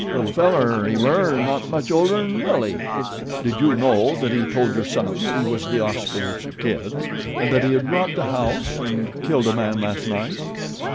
Little feller he were, not much older 'n' Willie." "Did you know that he told your son that he was The Oskaloosa Kid and that he had robbed a house and killed a man last night?"